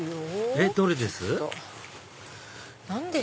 えっどれです？